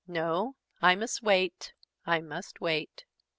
No, I must wait, I must wait!"